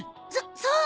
そそう？